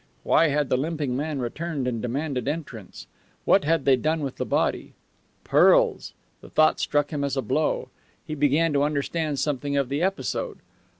Why had the limping man returned and demanded entrance? What had they done with the body? Pearls! The thought struck him as a blow. He began to understand something of the episode.